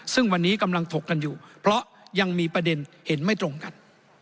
ซึ่งวันนี้กำลังถกกันอยู่เพราะยังมีประเด็นเห็นไม่ตรงกัน